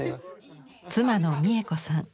妻の三枝子さん。